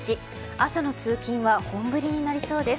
朝の通勤は本降りになりそうです。